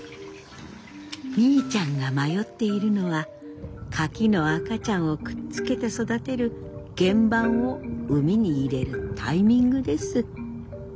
みーちゃんが迷っているのはカキの赤ちゃんをくっつけて育てる原盤を海に入れるタイミングです。